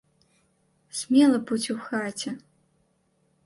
Смела будзь у хаце.